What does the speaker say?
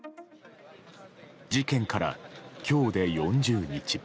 事件から今日で４０日。